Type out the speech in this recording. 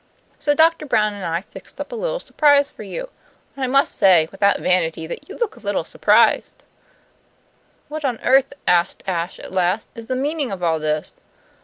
So Doctor Brown and I fixed up a little surprise for you. And I must say, without vanity, that you look a little surprised." "What on earth," asked Ashe at last, "is the meaning of all this?"